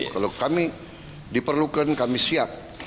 kalau kami diperlukan kami siap